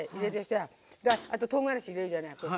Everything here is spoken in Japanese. とうがらし入れるじゃない。